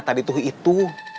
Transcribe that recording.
tak dituhi itu